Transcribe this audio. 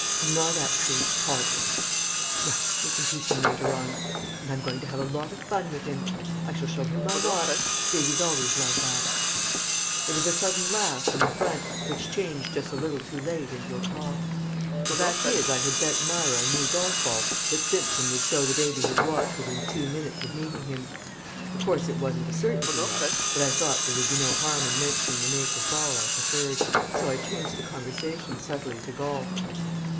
Not actually toddling." "Well, we can teach him later on. And I'm going to have a lot of fun with him. I shall show him my watch babies always love that." There was a sudden laugh from the front, which changed just a little too late into a cough. The fact is I had bet Myra a new golf ball that Simpson would show the baby his watch within two minutes of meeting him. Of course, it wasn't a certainty yet, but I thought there would be no harm in mentioning the make of ball I preferred. So I changed the conversation subtly to golf.